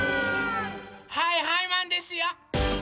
はいはいマンですよ！